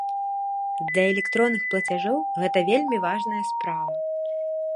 Для электронных плацяжоў гэта вельмі важная справа.